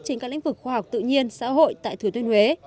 trên các lĩnh vực khoa học tự nhiên xã hội tại thừa tuyên huế